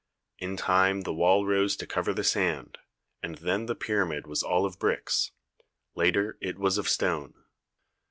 In time the wall rose to cover the sand, and then the pyramid was all of bricks ; later it was of stone.